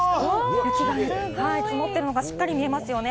雪が積もっているのがしっかり見えますよね。